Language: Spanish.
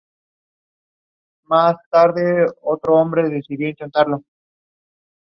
Fue Decano del Colegio Notarial de Madrid.